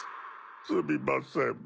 すみません。